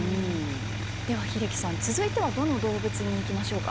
では英樹さん続いてはどの動物に行きましょうか。